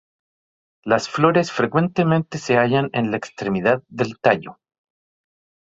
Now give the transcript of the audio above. Las flores frecuentemente se hallan en la extremidad del tallo.